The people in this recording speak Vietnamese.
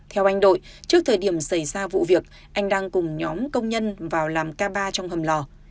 theo anh đội trước thời điểm xảy ra vụ việc anh đang cùng nhóm công nhân vào làm ca ba trong hầm lò